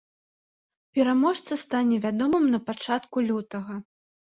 Пераможца стане вядомым на пачатку лютага.